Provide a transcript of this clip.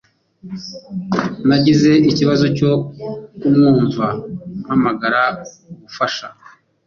Nagize ikibazo cyo kumwumva mpamagara ubufasha